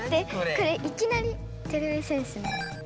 これいきなりてれび戦士の。